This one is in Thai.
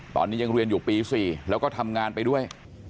ตอนนี้ยังเรียนอยู่ปี๔แล้วก็ทำงานไปด้วย